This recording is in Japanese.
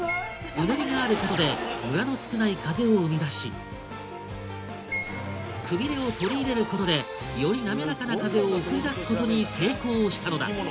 「うねり」があることでムラの少ない風を生み出し「くびれ」を取り入れることでより滑らかな風を送り出すことに成功したのだ！